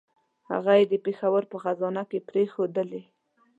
هغه یې د پېښور په خزانه کې پرېښودلې.